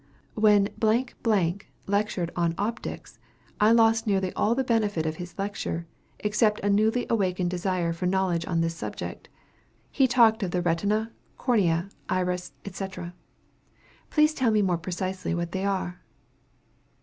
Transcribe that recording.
When lectured on optics, I lost nearly all the benefit of his lecture, except a newly awakened desire for knowledge on this subject. He talked of the retina, cornea, iris, &c. please tell me precisely what they are.